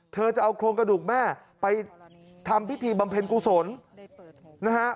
เธอจะเอาโครงกระดูกแม่ไปทำพิธีบำเพ็ญกุศลนะฮะ